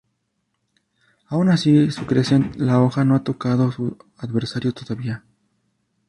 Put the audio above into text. Aun así, su crescent la hoja no ha tocado su adversario todavía.